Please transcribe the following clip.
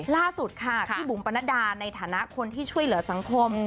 ล่าสุดค่ะพี่บุ๋มปนัดดาในฐานะคนที่ช่วยเหลือสังคม